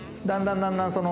だんだんだんだん。